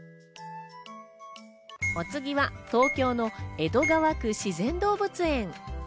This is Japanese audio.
お次は東京の江戸川区自然動物園。